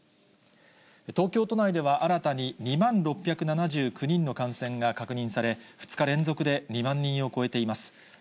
東京都内では新たに２万６７９人の感染が確認され、２日連続で２万人を超えています。